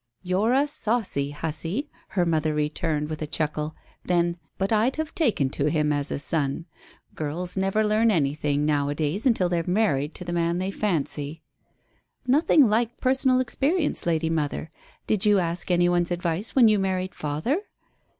"You're a saucy hussy," her mother returned, with a chuckle. Then: "But I'd have taken to him as a son. Girls never learn anything now a days until they're married to the man they fancy." "Nothing like personal experience, lady mother. Did you ask any one's advice when you married father?"